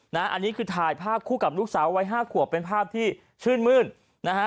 อันนี้คือถ่ายภาพคู่กับลูกสาววัยห้าขวบเป็นภาพที่ชื่นมื้นนะฮะ